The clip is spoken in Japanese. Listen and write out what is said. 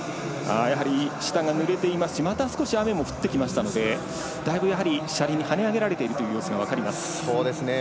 下がぬれていますしまた雨も降ってきましたのでだいぶ車輪に跳ね上げられているという様子が分かります。